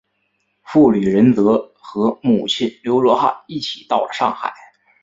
傅履仁则和母亲刘倬汉一起到了上海。